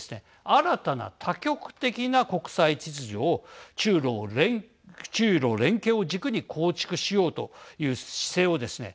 新たな多極的な国際秩序を中ロ連携を軸に構築しようという姿勢をですね